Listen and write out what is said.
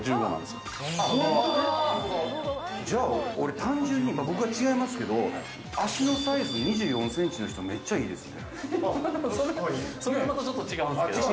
単純に、僕は違いますけど足のサイズ、２４ｃｍの人めっちゃいいですね。